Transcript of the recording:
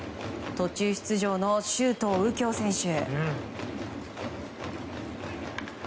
途中出場の周東佑京選手。